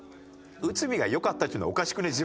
内海が「よかった」って言うのはおかしくない？